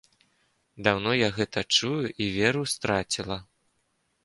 Даўно я гэта чую і веру страціла.